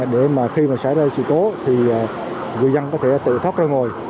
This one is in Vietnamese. để mà khi mà xảy ra sự cố thì người dân có thể tự thoát ra ngoài